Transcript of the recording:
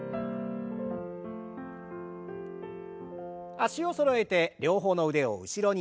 脚をそろえて両方の腕を後ろに。